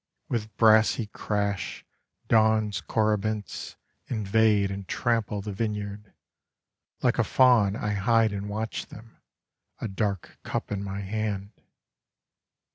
With brassy crash, dawn's corybants Invade and trample the vineyard: Like a faun I hide and watch them, A dark cup in my hand.